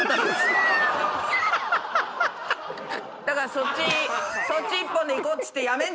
だからそっち。